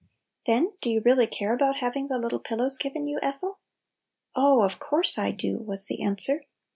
"" Then, do you really care about hav ing the little pillows given you, Ethel?" " Oh, of course I do !" was the answer.